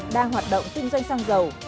đang hoạt động tinh doanh xăng dầu